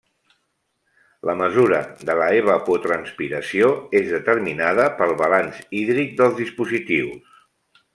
La mesura de l'evapotranspiració és determinada pel balanç hídric dels dispositius.